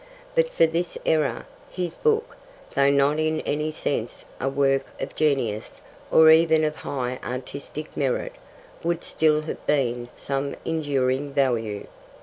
But for this error, his book, though not in any sense a work of genius or even of high artistic merit, would still have been of some enduring value.